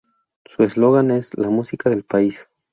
Su eslogan es "La música del país".